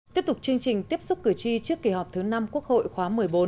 tiếp tục chương trình tiếp xúc cử tri trước kỳ họp thứ năm quốc hội khóa một mươi bốn